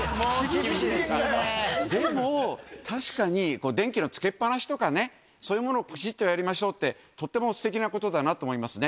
でも、確かに、電気のつけっ放しとかね、そういうものをぴしっとやりましょうって、とってもすてきなことだなと思いますね。